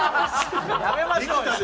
やめましょうよ。